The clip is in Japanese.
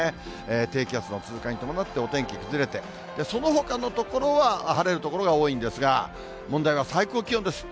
低気圧の通過に伴ってお天気崩れて、そのほかの所は晴れる所が多いんですが、問題は最高気温です。